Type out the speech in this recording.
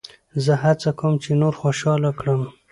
زه هڅه کوم، چي نور خوشحاله کړم.